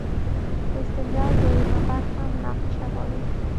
استدلال دویمه برخه مناقشه غواړي.